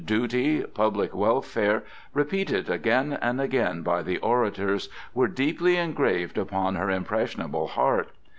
"Duty!" "Public Welfare!" repeated again and again by the orators, were deeply engraved upon her impressionable heart.